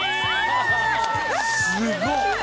すごっ。